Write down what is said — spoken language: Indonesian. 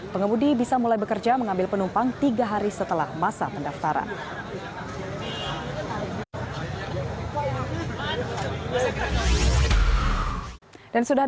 pengemudi bisa mulai bekerja mengambil penumpang tiga hari setelah masa pendaftaran